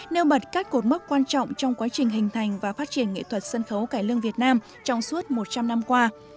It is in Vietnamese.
nêu bật các cột mốc quan trọng trong quá trình hình thành và phát triển nghệ thuật sân khấu cải lương việt nam trong suốt một trăm linh năm qua